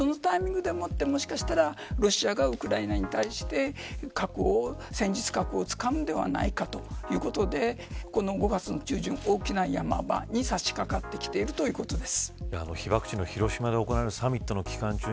そのタイミングで、もしかしたらロシアがウクライナに対して戦術核を使うのではないかということで５月の中旬、大きなやま場に差しかかってきているということです。